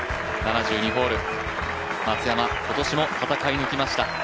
７２ホール、松山、今年も戦い抜きました。